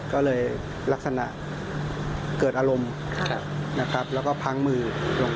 ก็เลยลักษณะเกิดอารมณ์นะครับแล้วก็พังมือลง